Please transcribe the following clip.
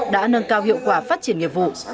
đã nâng cao hiệu quả phát triển nghiệp vụ